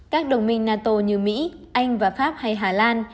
các đồng minh nato như mỹ anh và pháp hay hà lan